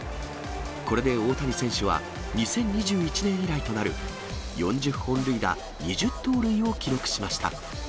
これで大谷選手は、２０２１年以来となる、４０本塁打２０盗塁を記録しました。